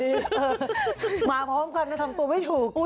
มาพร้อมกันทำตัวไม่ถูก